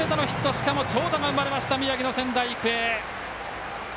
しかも長打が生まれました宮城の仙台育英。